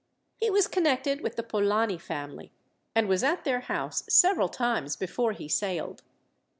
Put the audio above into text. He was connected with the Polani family, and was at their house several times before he sailed.